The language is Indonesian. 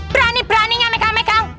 berani berani nyame kamek kau